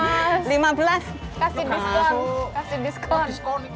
nah lima belas kasih diskon kasih diskon